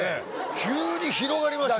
急に広がりましたね。